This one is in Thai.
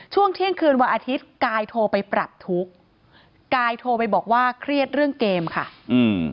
ช่วงเที่ยงคืนวันอาทิตย์กายโทรไปปรับทุกข์กายโทรไปบอกว่าเครียดเรื่องเกมค่ะอืม